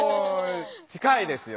近いですよ。